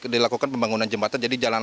dilakukan pembangunan jembatan jadi jalan